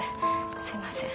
すいません。